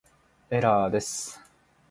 エラーです